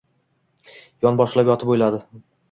Yonboshlab yotib o‘yladi: